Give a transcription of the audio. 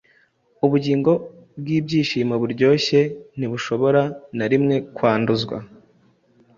Ubugingo bwibyishimo buryoshye ntibushobora na rimwe kwanduzwa.